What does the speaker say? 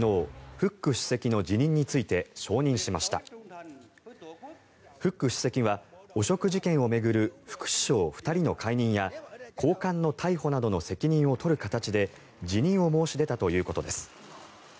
フック主席は汚職事件を巡る副首相２人の解任や高官の逮捕などの責任を取る形で辞任を申し出たということです。